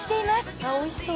あ、おいしそう。